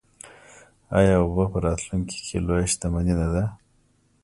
آیا اوبه په راتلونکي کې لویه شتمني نه ده؟